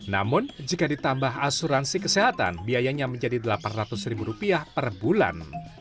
namun jika ditambah asuransi kesehatan biayanya menjadi rp delapan ratus ribu rupiah per bulan